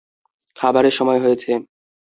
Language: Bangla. খাবারের সময় হয়েছে!